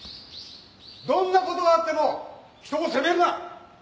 どんなことがあっても人を責めるな。